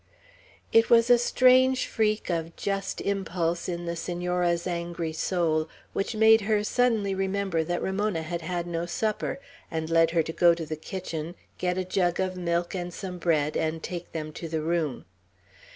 It was a strange freak of just impulse in the Senora's angry soul, which made her suddenly remember that Ramona had had no supper, and led her to go to the kitchen, get a jug of milk and some bread, and take them to the room.